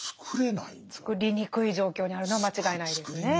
つくりにくい状況にあるのは間違いないですね。